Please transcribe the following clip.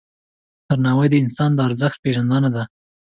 درناوی د انسان د ارزښت پیژندنه ده.